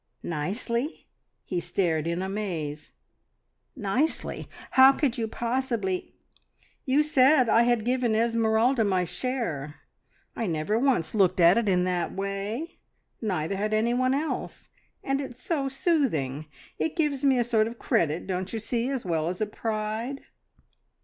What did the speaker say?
"Nicely!" He stared in amaze. "Nicely! How could you possibly " "You said I had given Esmeralda my share. I'd never once looked at it in that way; neither had any one else. And it's so soothing. It gives me a sort of credit, don't you see, as well as a pride."